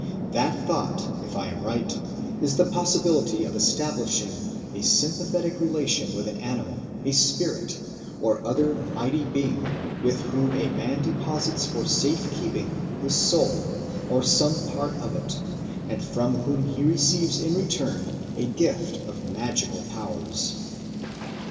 That thought, if I am right, is the possibility of establishing a sympathetic relation with an animal, a spirit, or other mighty being, with whom a man deposits for safe keeping his soul or some part of it, and from whom he receives in return a gift of magical powers.